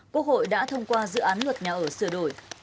quốc hội đã thông qua dự án luật nhà ở sửa đổi